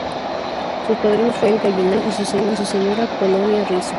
Sus padrinos fueron Rafael Gallinal y su señora, Polonia Risso.